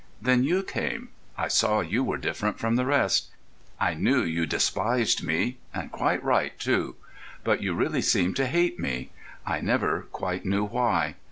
Then you came—I saw you were different from the rest. I knew you despised me—quite right too. But you really seemed to hate me, I never quite knew why.